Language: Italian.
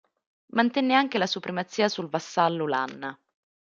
Mantenne anche la supremazia sul vassallo Lanna.